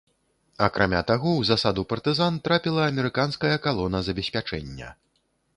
Акрамя таго, у засаду партызан трапіла амерыканская калона забеспячэння.